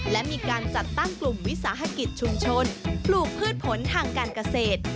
และมีการจัดตั้งกลุ่มวิสาหกิจชุมชนปลูกพืชผลทางการเกษตร